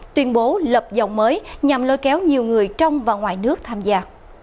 tuyên bố lập dòng mới nhằm lôi kéo nhiều người trong và ngoài nước tham gia